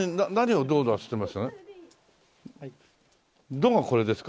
ドがこれですか？